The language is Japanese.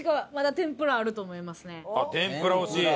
天ぷら推し？